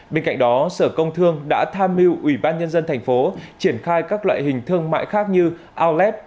bên cạnh đó sở công thương đã tham mưu ủy ban nhân dân thành phố triển khai các loại hình thương mại khác như alex